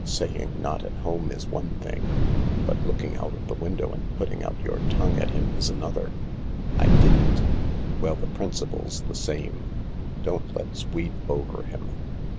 Saying not at home is one thing, but looking out of the window and putting out your tongue at him is another," " I didn't." "Well, the principle's the same. Don't let's weep over him.